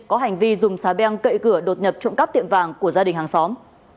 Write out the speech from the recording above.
có hành vi dùng xà beng cậy cửa đột nhập trộm cắp tiệm vàng của gia đình hàng xóm